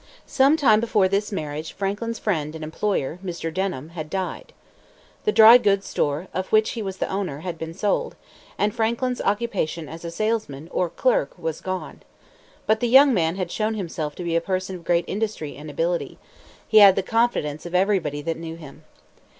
Some time before this marriage, Franklin's friend and employer, Mr. Denham, had died. The dry goods store, of which he was the owner, had been sold, and Franklin's occupation as a salesman, or clerk, was gone. But the young man had shown himself to be a person of great industry and ability. He had the confidence of everybody that knew him.